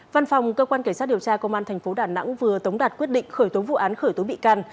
văn phòng cơ quan cảnh sát điều tra công an tp đà nẵng vừa tống đạt quyết định khởi tố vụ án khởi tố bị can